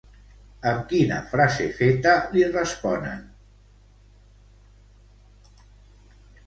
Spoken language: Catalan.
Amb quina frase feta li responen?